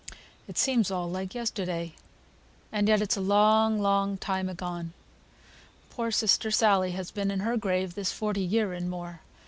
It seems all like yesterday, and yet it's a long long time agone. Poor sister Sally has been in her grave this forty year and more.